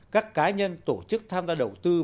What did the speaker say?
các cá nhân tổ chức tham gia đầu tư và doanh nghiệp